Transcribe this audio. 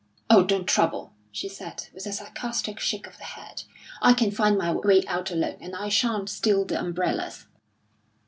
"Oh, don't trouble!" she said, with a sarcastic shake of the head. "I can find my way out alone, and I shan't steal the umbrellas."